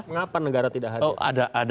mengapa negara tidak hadir